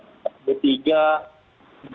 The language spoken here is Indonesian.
kita siap tadi saya sampaikan